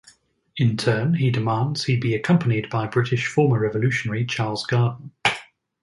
In turn he demands he be accompanied by British former revolutionary Charles Garden.